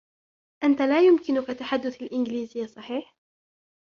أنت لا يمكنك تحدث الإنجليزية ، صحيح ؟